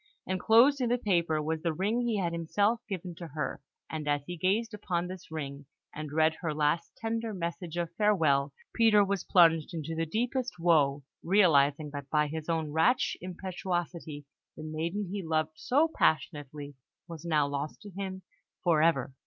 Enclosed in the paper was the ring he had himself given to her; and as he gazed upon this ring, and read her last tender message of farewell, Peter was plunged into the deepest woe, realising that by his own rash impetuosity the maiden he loved so passionately was now lost to him for ever.